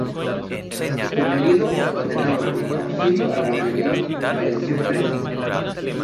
Detenido y condenado por "auxilio a la rebelión", falleció preso.